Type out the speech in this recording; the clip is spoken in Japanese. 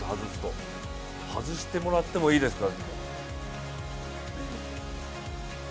今外してもらってもいいですか。